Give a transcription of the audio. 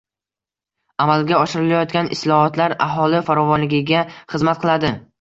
Amalga oshirilayotgan islohotlar aholi farovonligiga xizmat qiladi